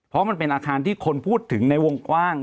เพราะมันเป็นอาคารที่คนพูดถึงในวงกว้าง